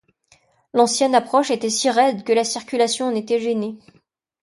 L'ancienne approche était si raide que la circulation en était gênée.